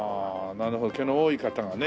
なるほど毛の多い方がね。